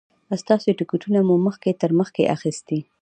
ستاسو ټکټونه مو مخکې تر مخکې اخیستي.